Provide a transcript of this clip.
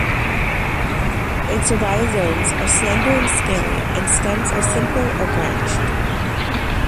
Its rhizomes are slender and scaly, and stems are simple or branched.